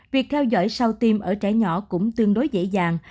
việc theo dõi sau tiêm ở trẻ nhỏ cũng tương đối dễ dàng